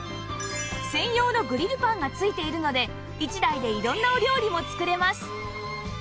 専用のグリルパンが付いているので１台で色んなお料理も作れます